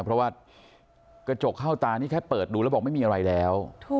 เพราะว่ากระจกเข้าตานี่แค่เปิดดูแล้วบอกไม่มีอะไรแล้ว